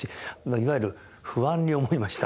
いわゆる不安に思いました。